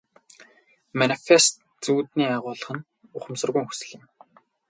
Манифест зүүдний агуулга нь ухамсаргүйн хүсэл юм.